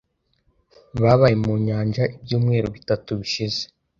Babaye mu nyanja ibyumweru bitatu bishize.